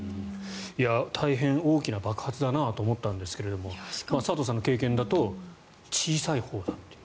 大変大きな爆発だなと思ったんですが佐藤さんの経験だと小さいほうだと。